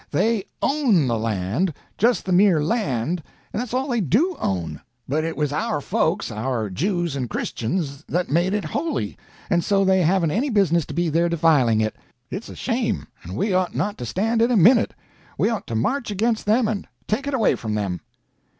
They own the land, just the mere land, and that's all they do own; but it was our folks, our Jews and Christians, that made it holy, and so they haven't any business to be there defiling it. It's a shame, and we ought not to stand it a minute. We ought to march against them and take it away from them."